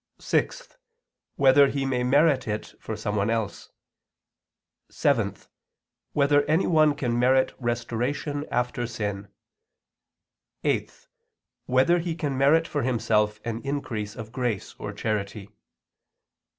(6) Whether he may merit it for someone else? (7) Whether anyone can merit restoration after sin? (8) Whether he can merit for himself an increase of grace or charity?